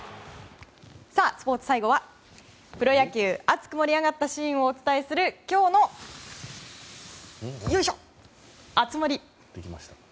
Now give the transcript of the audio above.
スポーツ最後はプロ野球熱く盛り上がったシーンをお伝えする今日の熱盛。